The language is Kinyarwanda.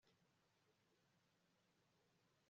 Nimyenda ye ku mugongo